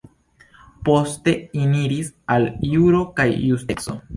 Poste eniris al Juro kaj Justeco.